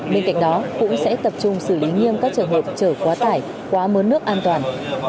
bên cạnh đó cũng sẽ tập trung xử lý nghiêm các trường hợp chở quá tải quá mớn nước an toàn